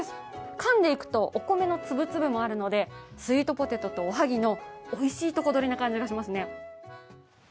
かんでいくと、お米の粒々もあるのでスイートポテトとおはぎのおいしいとこ取りの感じがします。